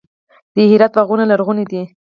د هرات باغونه لرغوني دي.